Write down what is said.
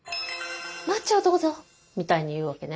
「マッチをどうぞ」みたいに言うわけね。